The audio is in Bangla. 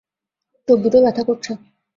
চোখদুটো ব্যথা করছে!